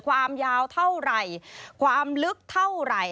ความยาวเท่าไหร่ความลึกเท่าไหร่